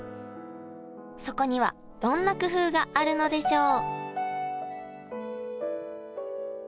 そこにはどんな工夫があるのでしょう？